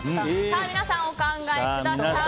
皆さん、お考えください。